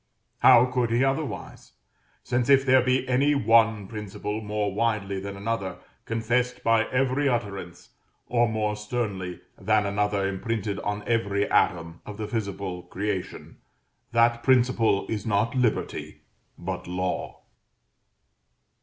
How could he otherwise? since if there be any one principle more widely than another confessed by every utterance, or more sternly than another imprinted on every atom, of the visible creation, that principle is not Liberty, but Law.